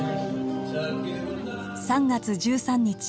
３月１３日。